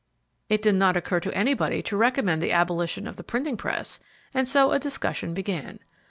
It did not occur to anybody to recommend the abolition of the printing press, and so a discussion began.